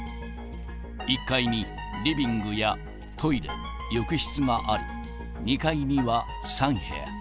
１階にリビングやトイレ、浴室があり、２階には３部屋。